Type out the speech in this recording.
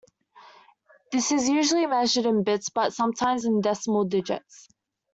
This is usually measured in bits, but sometimes in decimal digits.